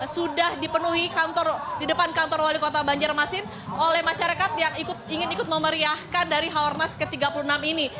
sudah dipenuhi di depan kantor wali kota banjarmasin oleh masyarakat yang ingin ikut memeriahkan dari haornas ke tiga puluh enam ini